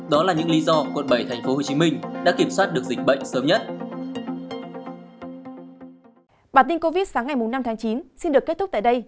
đó là những lý do quận bảy tp hcm đã kiểm soát được dịch bệnh sớm nhất